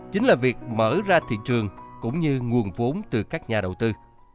chính là việc mở ra thị trường cũng như nguồn vốn từ các nhà đầu tư